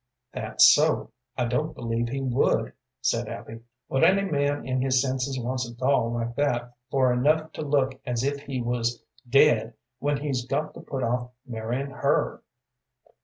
"That's so; I don't believe he would," said Abby. "What any man in his senses wants a doll like that for enough to look as if he was dead when he's got to put off marrying her!"